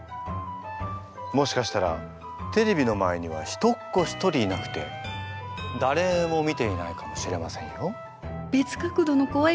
もしかしたらテレビの前には人っ子一人いなくてだれも見ていないかもしれませんよ。